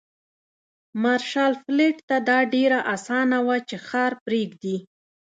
مارشال فيلډ ته دا ډېره اسانه وه چې ښار پرېږدي.